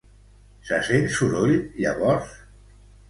Se sent soroll llavors?